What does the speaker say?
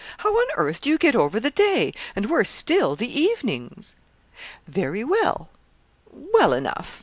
How on earth do you get over the day, and, worse still, the evenings?' 'Very well well enough.